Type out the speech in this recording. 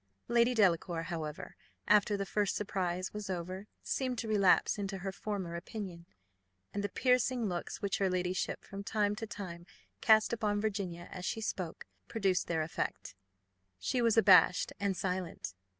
Lady Delacour, however, after the first surprise was over, seemed to relapse into her former opinion; and the piercing looks which her ladyship from time to time cast upon Virginia as she spoke, produced their effect. She was abashed and silent.